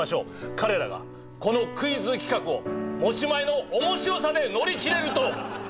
彼らがこのクイズ企画を持ち前の面白さで乗り切れると。